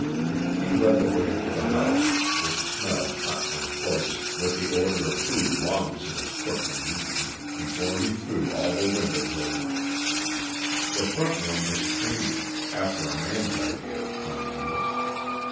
He led the way into the house, which smelled hot and close, with the odor of food long since cooked and eaten, before he threw all the windows open. The front room was clean after a man's idea of cleanliness.